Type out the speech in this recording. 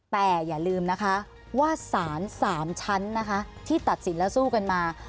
แต่อย่าลืมว่าสารสามชั้นที่ตัดสินคุณสู้มา